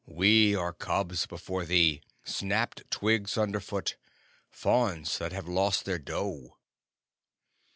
We are cubs before thee! Snapped twigs under foot! Fawns that have lost their doe!"